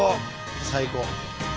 最高！